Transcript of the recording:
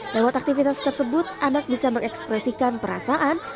lewat aktivitas tersebut anak bisa mengekspresikan perasaan